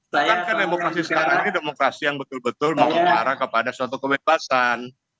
karena kan demokrasi sekarang ini demokrasi yang betul betul mengarah kepada suatu kebebasan